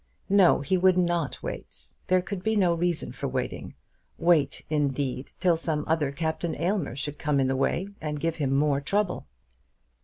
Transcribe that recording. No; he would not wait. There could be no reason for waiting. Wait, indeed, till some other Captain Aylmer should come in the way and give him more trouble!